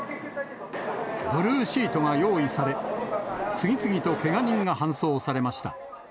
ブルーシートが用意され、次々とけが人が搬送されました。